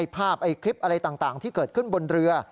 คลิปอะไรต่างที่เกิดขึ้นบนเรือ